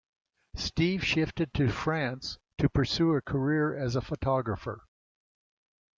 Steve shifted to France to pursue a career as a photographer.